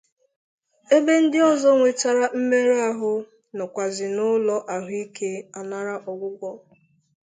ebe ndị ọzọ nwetara mmerụahụ nọkwazị n'ụlọ ahụike anara ọgwụgwọ.